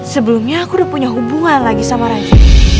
sebelumnya aku udah punya hubungan lagi sama raja